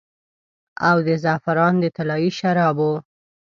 او د زعفران د طلايي شرابو